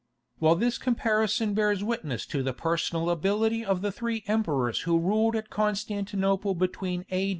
While this comparison bears witness to the personal ability of the three emperors who ruled at Constantinople between A.